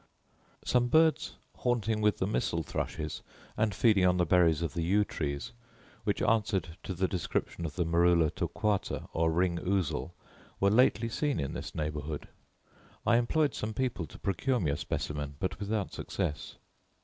Some birds, haunting with the missal thrushes, and feeding on the berries of the yew tree, which answered to the description of the merula torquata, or ring ousel, were lately seen in this neighbourhood. I employed some people to procure me a specimen, but without success.